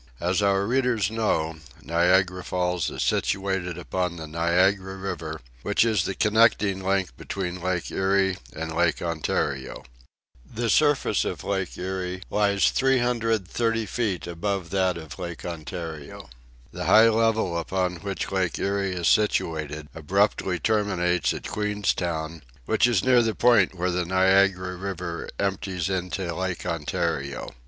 As our readers know, Niagara Falls is situated upon the Niagara River, which is the connecting link between Lake Erie and Lake Ontario. The surface of Lake Erie lies 330 feet above that of Lake Ontario. The high level upon which Lake Erie is situated abruptly terminates at Queenstown, which is near the point where the Niagara River empties into Lake Ontario.